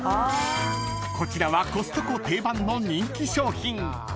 ［こちらはコストコ定番の人気商品］